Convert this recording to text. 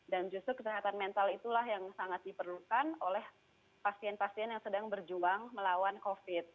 dan justru kesehatan mental itulah yang sangat diperlukan oleh pasien pasien yang sedang berjuang melawan covid